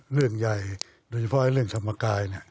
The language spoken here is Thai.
เรื่องใหญ่โดยเฉพาะเรื่องธรรมกาย